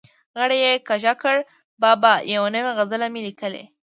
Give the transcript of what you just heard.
غړۍ یې کږه کړه: بابا یو نوی غزل مې لیکلی.